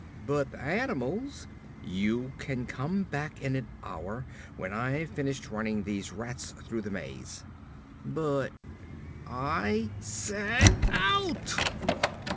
"But the animals " "You can come back in an hour when I've finished running these rats through the maze." "But " "I SAID OUT!"